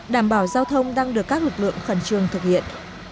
đảm bảo giao thông đang được các lực lượng khẩn trương thực hiện